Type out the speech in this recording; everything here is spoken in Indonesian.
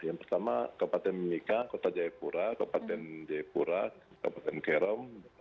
yang pertama kabupaten mimika kota jayapura kabupaten jayapura kabupaten kerong